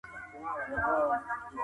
زه پرون د سبا لپاره د نوټونو ليکل کوم وم.